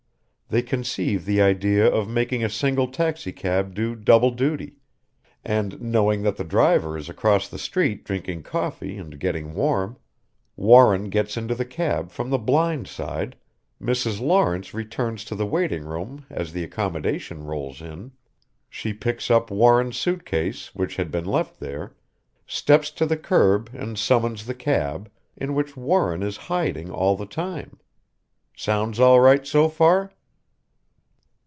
They conceive the idea of making a single taxicab do double duty and, knowing that the driver is across the street drinking coffee and getting warm Warren gets into the cab from the blind side, Mrs. Lawrence returns to the waiting room as the accommodation rolls in, she picks up Warren's suit case which had been left there, steps to the curb and summons the cab, in which Warren is hiding all the time. Sounds all right so far?"